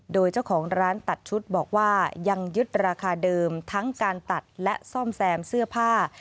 โดยเจ้าของร้านตัดชุดบอกว่ายังยึดราคาเดิมทั้งการตัดและซ่อมแซมเสื้อผ้า